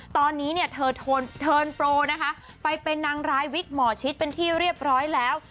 ตอนนี้เนี่ยเธอเทิร์นโปรนะคะไปเป็นนางร้ายวิกหมอชิดเป็นที่เรียบร้อยแล้ว